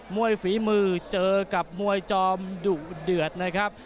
ยฝีมือเจอกับมวยจอมดุเดือดนะครับ